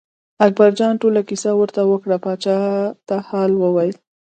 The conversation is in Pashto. اکبرجان ټوله کیسه ورته وکړه پاچا ته حال ویل.